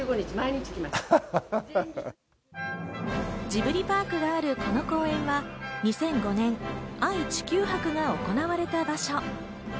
ジブリパークがある、この公園は２００５年、愛・地球博が行われた場所。